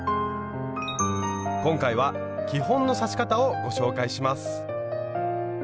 今回は基本の刺し方をご紹介します。